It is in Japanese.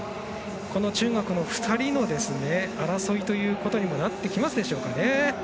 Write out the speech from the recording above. この中国の２人の争いということにもなってきますでしょうか。